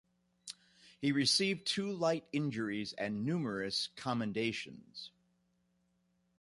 He received two light injuries and numerous commendations.